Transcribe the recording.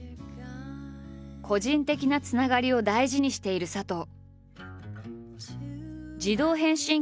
個人的なつながりを大事にしている佐藤。